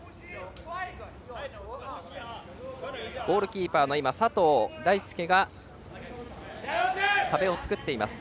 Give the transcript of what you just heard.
ゴールキーパーの佐藤大介が壁を作っています。